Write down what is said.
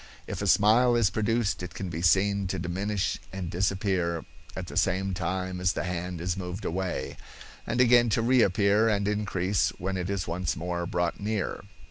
If a smile is produced it can be seen to diminish and disappear at the same time as the hand is moved away, and again to reappear and increase when it is once more brought near.